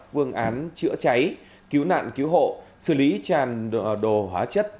phương án chữa cháy cứu nạn cứu hộ xử lý tràn đồ hóa chất